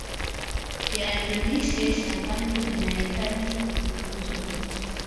viazi lishe shambani vinahitaji kutunzwa